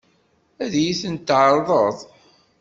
Ad iyi-tent-tɛeṛḍeḍ?